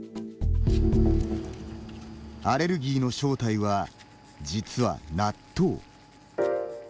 アレルギーの正体は、実は納豆。